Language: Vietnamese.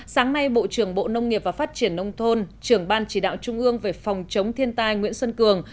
sáng nay bộ trưởng bộ nông nghiệp và phát triển nông thôn trưởng ban chỉ đạo trung ương về phòng chống thiên tai nguyễn xuân cường